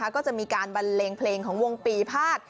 ก็จะมีการบันเลงเพลงของวงปีภาษ